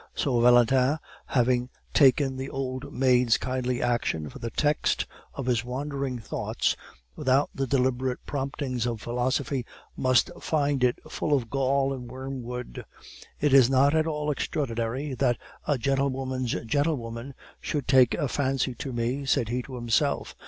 So Valentin, having taken the old maid's kindly action for the text of his wandering thoughts, without the deliberate promptings of philosophy, must find it full of gall and wormwood. "It is not at all extraordinary that a gentlewoman's gentlewoman should take a fancy to me," said he to himself.